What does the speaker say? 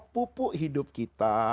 pupuk hidup kita